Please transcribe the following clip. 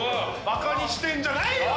ばかにしてんじゃないよ！